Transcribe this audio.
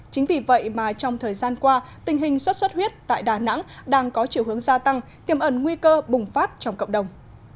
chính vì vậy mà trong thời gian qua tình hình xuất xuất huyết tại đà nẵng đang có chiều hướng gia tăng tiềm ẩn nguy cơ bùng phát trong cộng đồng